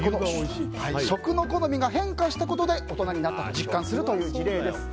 食の好みが変化したことで大人になったと実感するという事例です。